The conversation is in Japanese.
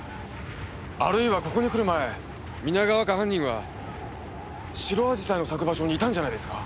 あるいはここに来る前皆川か犯人は白紫陽花の咲く場所にいたんじゃないですか？